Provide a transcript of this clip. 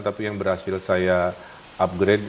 tapi yang berhasil saya upgrade